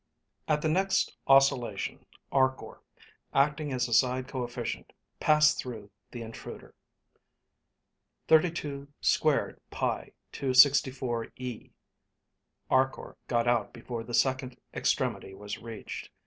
(At the next oscillation, Arkor, acting as a side coefficient, passed through the intruder.) 32^pi to 64e (Arkor got out before the second extremity was reached.